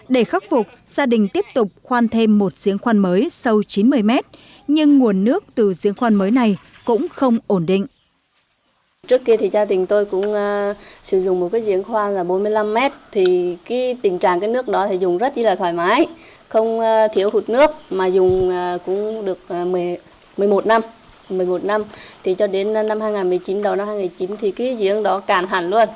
để khắc phục gia đình tiếp tục khoan thêm một diễn khoan mới sâu chín mươi mét nhưng nguồn nước từ diễn khoan mới này cũng không ổn định